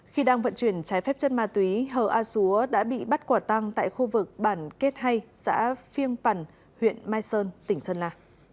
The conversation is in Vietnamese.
khi đang vận chuyển trái phép chất ma túy hờ a xúa đã bị bắt quả tăng tại khu vực bản kết hay xã phiêng pằn huyện mai sơn tỉnh sơn la